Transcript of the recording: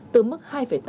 từ mức hai ba